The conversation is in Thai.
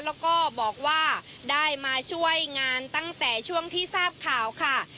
แล้วก็บอกว่าได้มาช่วยงานตั้งแต่ช่วงที่ทราบข่าวค่ะ